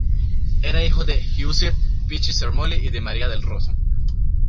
Era hijo de Giuseppe Pichi-Sermolli y de Maria Del Rosso.